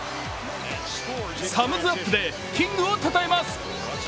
サムズアップでキングをたたえます。